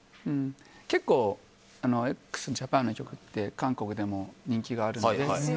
結構、ＸＪＡＰＡＮの曲って韓国でも人気があるので。